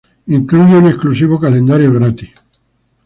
Incluye un exclusivo calendario gratis.